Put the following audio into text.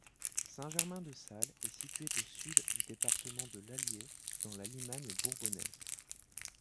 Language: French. Saint-Germain-de-Salles est située au sud du département de l'Allier, dans la Limagne bourbonnaise.